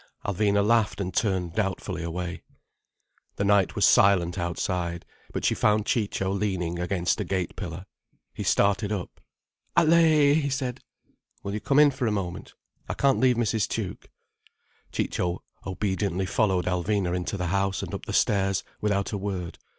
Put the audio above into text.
Alvina laughed, and turned doubtfully away. The night was silent outside. But she found Ciccio leaning against a gate pillar. He started up. "Allaye!" he said. "Will you come in for a moment? I can't leave Mrs. Tuke." Ciccio obediently followed Alvina into the house and up the stairs, without a word.